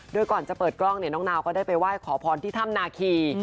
โดยก่อนจะเปิดกล้องเนี่ยน้องนาวก็ได้ไปไหว้ขอพรที่ถ้ำนาคี